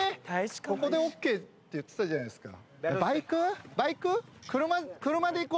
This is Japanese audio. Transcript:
ここでＯＫって言ってたじゃないですか。